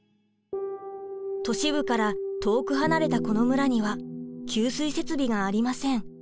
都市部から遠く離れたこの村には給水設備がありません。